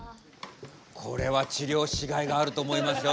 これは治りょうしがいがあると思いますよ